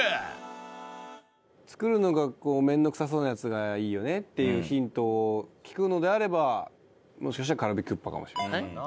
作るのが面倒くさそうなやつがいいよねっていうヒントを聞くのであればもしかしたらカルビクッパかもしれない。